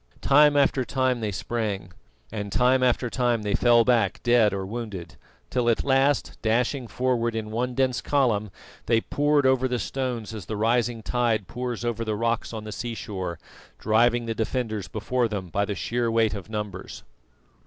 Time after time they sprang, and time after time they fell back dead or wounded, till at last, dashing forward in one dense column, they poured over the stones as the rising tide pours over the rocks on the sea shore, driving the defenders before them by the sheer weight of numbers.